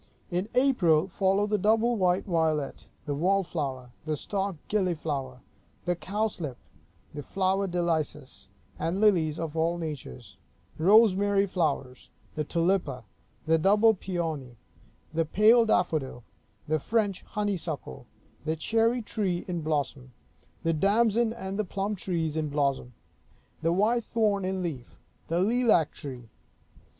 In April follow the double white violet; the wallflower; the stock gilliflower; the cowslip; flowerdelices, and lilies of all natures; rosemary flowers; the tulippa; the double peony; the pale daffodil; the French honeysuckle; the cherry tree in blossom; the damson and plum trees in blossom; the white thorn in leaf; the lilac tree.